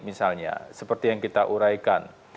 misalnya seperti yang kita uraikan